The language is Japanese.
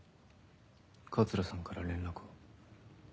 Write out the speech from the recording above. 桂さんから連絡は？